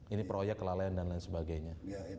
ini proyek kelalaian dan lain sebagainya